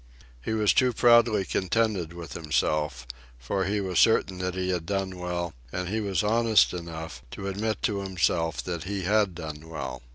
He was too proudly contented with himself, for he was certain that he had done well, and he was honest enough to admit to himself that he had done well.